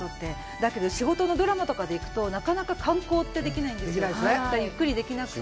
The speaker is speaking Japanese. だけど、仕事のドラマとかで行くと、なかなか観光ってできないんですよ。ゆっくりできなくて。